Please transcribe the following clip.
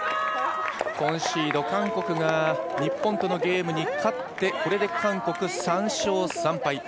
コンシード韓国が日本とのゲームに勝ってこれで韓国、３勝３敗。